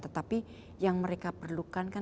tetapi yang mereka perlukan